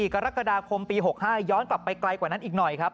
กรกฎาคมปี๖๕ย้อนกลับไปไกลกว่านั้นอีกหน่อยครับ